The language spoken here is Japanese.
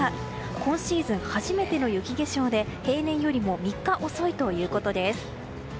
今シーズン初めての雪化粧で平年よりも３日遅いということです。